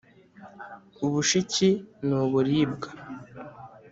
ubushiki ni uburibwa.